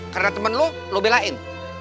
karena temen lo lo belain